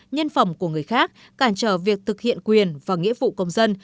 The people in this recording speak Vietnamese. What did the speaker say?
nhân phẩm của người khác cản trở việc thực hiện quyền và nghĩa vụ công dân